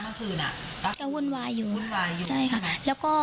เมื่อคืนอ่ะแกวุ่นวายอยู่วุ่นวายอยู่ใช่ค่ะแล้วก็